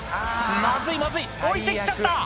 「まずいまずい置いてきちゃった」